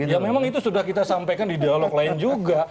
ya memang itu sudah kita sampaikan di dialog lain juga